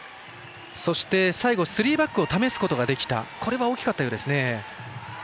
そして、最後スリーバックを試すことができたこれは大きかったようですね。